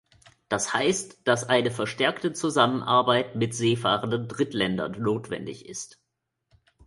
Das heißt, dass eine verstärkte Zusammenarbeit mit seefahrenden Drittländern notwendig ist.